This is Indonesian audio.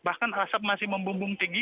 bahkan asap masih membumbung tinggi